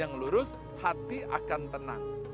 yang lurus hati akan tenang